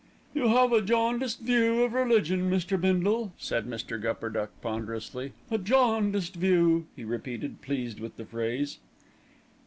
"You have a jaundiced view of religion, Mr. Bindle," said Mr. Gupperduck ponderously. "A jaundiced view," he repeated, pleased with the phrase.